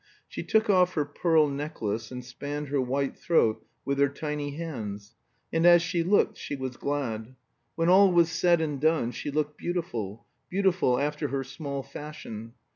She took off her pearl necklace and spanned her white throat with her tiny hands. And as she looked she was glad. When all was said and done she looked beautiful beautiful after her small fashion.